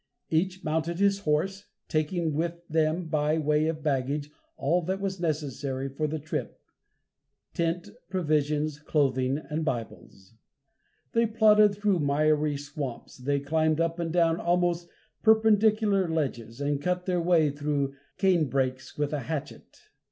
Each mounted his horse, taking with them by way of baggage all that was necessary for the trip, tent, provisions, clothing and Bibles. They plodded through miry swamps, they climbed up and down almost perpendicular ledges, and cut their way through canebrakes with a hatchet.